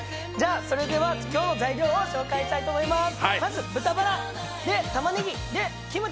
では今日の材料を紹介したいと思います。